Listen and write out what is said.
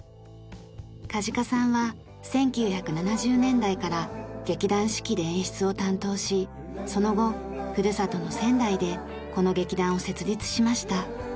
梶賀さんは１９７０年代から劇団四季で演出を担当しその後ふるさとの仙台でこの劇団を設立しました。